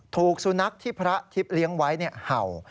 ถูกสุนัขที่พระทิพย์เลี้ยงไว้เห่า